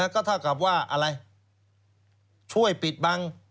ก็เท่ากับว่าอะไรช่วยปิดบัง